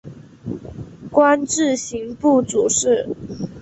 官至刑部主事。